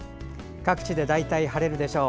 各地で大体晴れるでしょう。